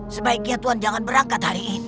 sebaiknya tuhan jangan berangkat hari ini